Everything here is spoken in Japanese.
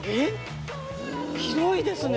広いですね